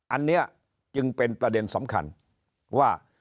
อันนี้จึงเป็นประเด็นสำคัญว่า